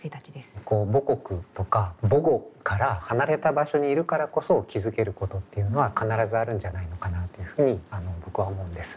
こう母国とか母語から離れた場所にいるからこそ気付けることっていうのは必ずあるんじゃないのかなっていうふうに僕は思うんです。